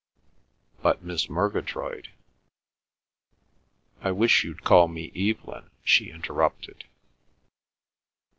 "But Miss Murgatroyd—" "I wish you'd call me Evelyn," she interrupted.